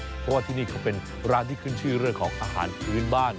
เพราะว่าที่นี่เขาเป็นร้านที่ขึ้นชื่อเรื่องของอาหารพื้นบ้าน